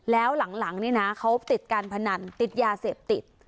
แล้วหลังนี่นะเขาติดการพนันติดยาเสพติด